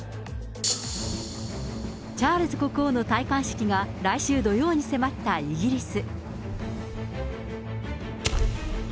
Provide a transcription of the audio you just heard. チャールズ国王の戴冠式が来週土曜に迫ったイギリス。